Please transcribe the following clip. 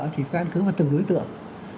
thì phải căn cứ vào từng đối tượng